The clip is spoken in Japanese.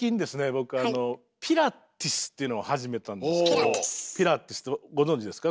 僕あの「ピラティス」っていうのを始めたんですけどピラティスってご存じですか？